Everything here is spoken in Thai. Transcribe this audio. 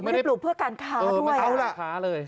ไม่ได้ปลูกเพื่อการค้าด้วย